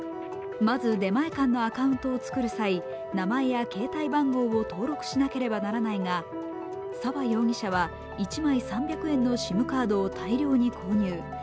まず、出前館のアカウントを作る際名前や携帯番号を登録しなければならないが沢容疑者は１枚３００円のＳＩＭカードを大量に購入。